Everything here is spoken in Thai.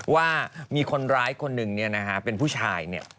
ว่ามีคนร้ายคนหนึ่งเป็นผู้ชาย